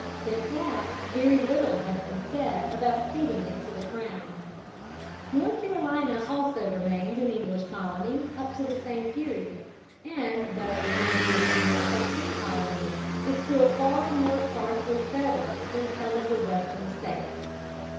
Since that very little has been said about ceding it to the crown. North Carolina also remained an English colony up to the same period, and, though one of the original thirteen Colonies, is still far more sparsely settled than some of the Western States.